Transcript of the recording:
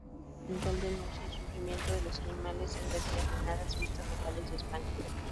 El documental denuncia el sufrimiento de los animales en determinadas fiestas locales de España.